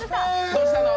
どうしたの？